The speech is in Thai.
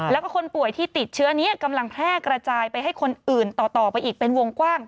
แล้วก็คนป่วยที่ติดเชื้อนี้กำลังแพร่กระจายไปให้คนอื่นต่อไปอีกเป็นวงกว้าง